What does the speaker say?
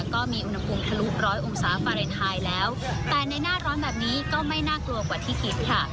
ก็มีอุณหภูมิทะลุร้อยองศาฟาเลนไทยแล้วแต่ในหน้าร้อนแบบนี้ก็ไม่น่ากลัวกว่าที่คิดค่ะ